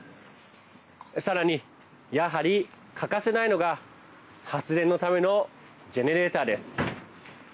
さらに、やはり欠かせないのが発電のためのジェネレーターです。